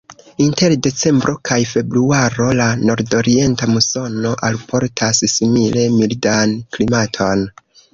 Inter decembro kaj februaro la nordorienta musono alportas simile mildan klimaton.